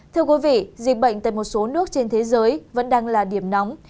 thưa quý vị dịch bệnh tại một số nước trên thế giới vẫn đang là điểm nóng